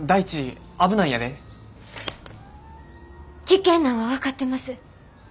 危険なんは分かってます。